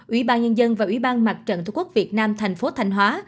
ủy ban nhân dân và ủy ban mặt trận tổ quốc việt nam thành phố thanh hóa